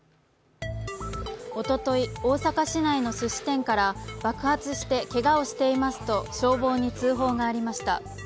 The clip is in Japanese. おととい、大阪市内のすし店から爆発してけがをしていますと消防に通報がありました。